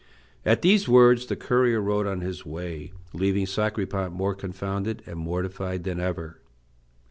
At these words the courier rode on his way, leaving Sacripant more confounded and mortified than ever.